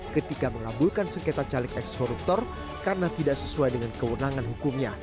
ketika mengabulkan sengketa caleg ekskoruptor karena tidak sesuai dengan kewenangan hukumnya